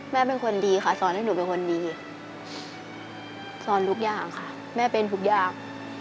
เป็นคนดีค่ะสอนให้หนูเป็นคนดีสอนทุกอย่างค่ะแม่เป็นทุกอย่าง